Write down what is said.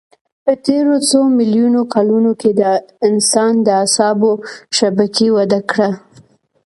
په تېرو څو میلیونو کلونو کې د انسان د اعصابو شبکې وده کړه.